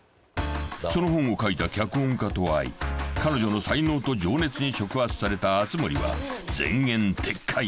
［その本を書いた脚本家と会い彼女の才能と情熱に触発された熱護は前言撤回］